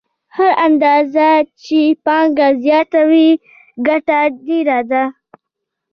هره اندازه چې پانګه زیاته وي ګټه ډېره ده